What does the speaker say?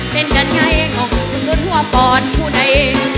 เป็นกันไงงงงงงงทั่วปอนด์ผู้ใดเอง